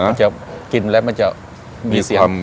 มันจะกินแล้วมันจะมีเสียง